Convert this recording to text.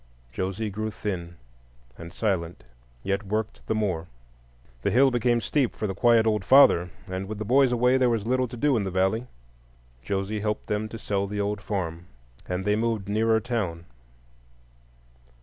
Josie grew thin and silent, yet worked the more. The hill became steep for the quiet old father, and with the boys away there was little to do in the valley. Josie helped them to sell the old farm, and they moved nearer town.